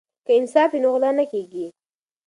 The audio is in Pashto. که انصاف وي نو غلا نه کیږي.